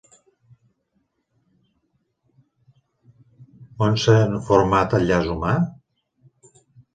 On s'ha format el llaç humà?